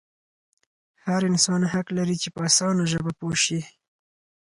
هر انسان حق لري چې په اسانه ژبه پوه شي.